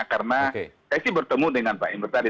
karena saya sih bertemu dengan pak emery tadi